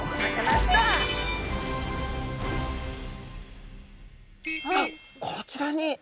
あっこちらに。